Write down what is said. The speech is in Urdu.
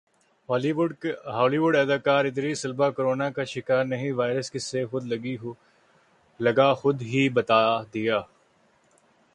ہالی ووڈ اداکارادریس البا کورونا کا شکارانہیں وائرس کس سے لگاخودہی بتادیا